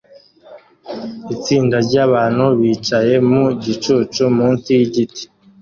Itsinda ryabantu bicaye mu gicucu munsi yigiti